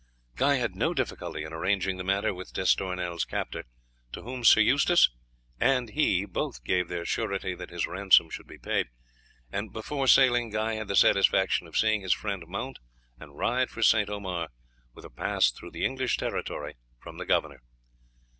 Guy had no difficulty in arranging the matter with D'Estournel's captor, to whom Sir Eustace and he both gave their surety that his ransom should be paid; and, before sailing, Guy had the satisfaction of seeing his friend mount and ride for St. Omar with a pass through the English territory from the governor.